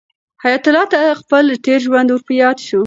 حیات الله ته خپل تېر ژوند ور په یاد شو.